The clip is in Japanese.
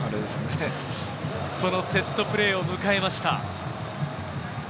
そのセットプレーを迎えました。